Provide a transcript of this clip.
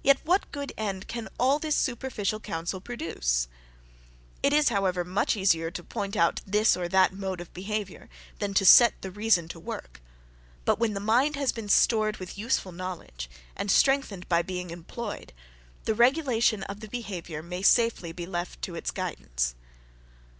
Yet what good end can all this superficial counsel produce? It is, however, much easier to point out this or that mode of behaviour, than to set the reason to work; but, when the mind has been stored with useful knowledge, and strengthened by being employed, the regulation of the behaviour may safely be left to its guidance.